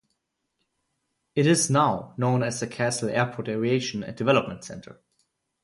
It is now known as the Castle Airport Aviation and Development Center.